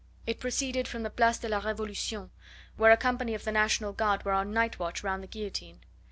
It proceeded from the Place de la Revolution, where a company of the National Guard were on night watch round the guillotine.